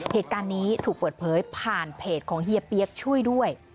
เหตุการณ์นี้ถูกเปิดเผยผ่านเพจของเฮียเปี๊ยกช่วยด้วย